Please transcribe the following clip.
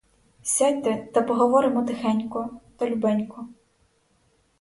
Сядьте та поговоримо тихенько та любенько.